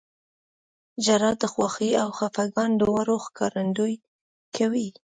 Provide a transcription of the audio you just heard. • ژړا د خوښۍ او خفګان دواړو ښکارندویي کوي.